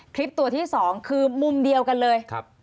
คลิปตัวที่๒คือมุมเดียวกันเลย